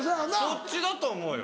そっちだと思うよ。